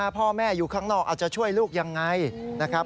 พ่อแม่อยู่ข้างนอกเอาจะช่วยลูกยังไงนะครับ